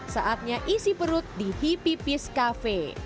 saatnya isi perut di hippie peace cafe